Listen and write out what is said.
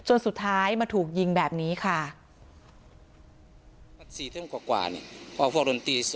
จนใดเจ้าของร้านเบียร์ยิงใส่หลายนัดเลยค่ะ